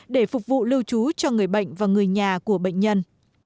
để phục vụ lưu trú cho người bệnh và người nhà của bệnh nhân